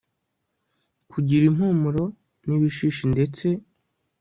kugira impumuro n'ibishishi ndetse